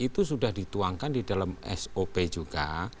itu sudah dituangkan di dalam sop juga